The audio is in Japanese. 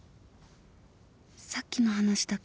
さっきの話だけどさ。